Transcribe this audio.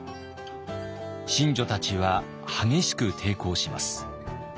神女たちは激しく抵抗します。